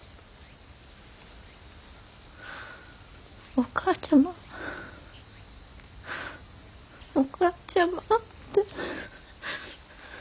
「お母ちゃまお母ちゃま」って。